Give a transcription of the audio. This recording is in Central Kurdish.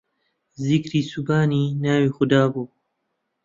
زیکری زوبانی ناوی خودابوو